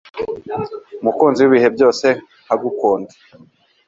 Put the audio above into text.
umukunzi wibihe byose nkagukunda